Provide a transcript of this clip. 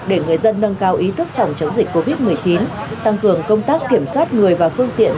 để người dân nâng cao ý thức phòng chống dịch covid một mươi chín tăng cường công tác kiểm soát người và phương tiện